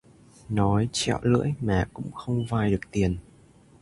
Nói trẹo lưỡi mà cũng không vay được tiền